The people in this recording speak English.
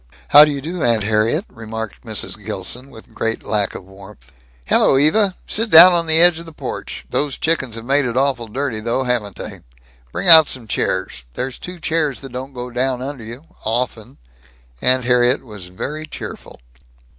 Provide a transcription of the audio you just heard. "How do you do, Aunt Harriet," remarked Mrs. Gilson, with great lack of warmth. "Hello, Eva. Sit down on the edge of the porch. Those chickens have made it awful dirty, though, haven't they? Bring out some chairs. There's two chairs that don't go down under you often." Aunt Harriet was very cheerful.